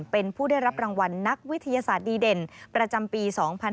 เป็นผู้ได้รับรางวัลนักวิทยาศาสตร์ดีเด่นประจำปี๒๕๕๙